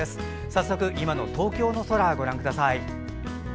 早速、今の東京の空をご覧ください。